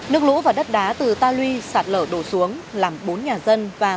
nước lũ và đất đá từ ta lui sạt lở đổ xuống làm bốn nhà dân